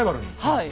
はい。